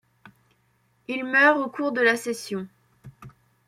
Il meurt au cours de la session.